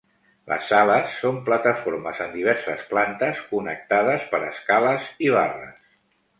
Les sales són plataformes en diverses plantes, connectades per escales i barres.